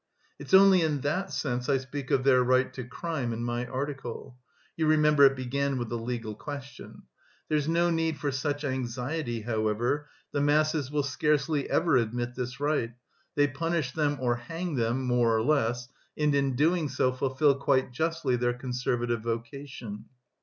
It's only in that sense I speak of their right to crime in my article (you remember it began with the legal question). There's no need for such anxiety, however; the masses will scarcely ever admit this right, they punish them or hang them (more or less), and in doing so fulfil quite justly their conservative vocation.